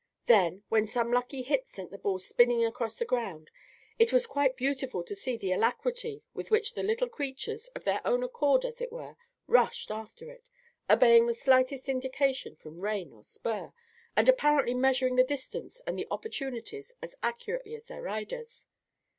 Then, when some lucky hit sent the ball spinning across the ground, it was quite beautiful to see the alacrity with which the little creatures, of their own accord, as it were, rushed, after it, obeying the slightest indication from rein or spur, and apparently measuring the distance and the opportunities as accurately as their riders.